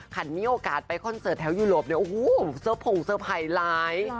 ถ้ามีโอกาสไปคอนเซิร์ตแถวยุโรปเนี่ยโอ้โหเซิร์ฟผงเซิร์ฟไหลลาย